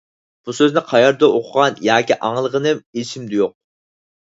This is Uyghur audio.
بۇ سۆزنى قەيەردە ئوقۇغان ياكى ئاڭلىغانلىقىم ئېسىمدە يوق.